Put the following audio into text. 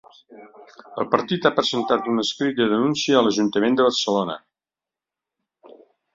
El partit ha presentat un escrit de denúncia a l’ajuntament de Barcelona.